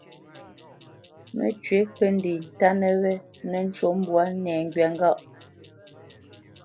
Mə́cywǐ kə̂ ndê ntánə yé nə́ ncú mbwǎ nɛŋgywa ŋgâʼ.